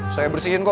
saya bersihin kok